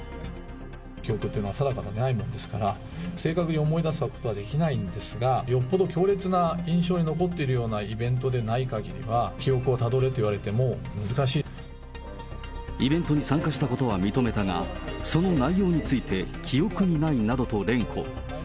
記憶っていうのは定かではないものですから、正確に思い出すことはできないんですが、よっぽど強烈な印象に残っているようなイベントでないかぎりは、イベントに参加したことは認めたが、その内容について、記憶にないなどと連呼。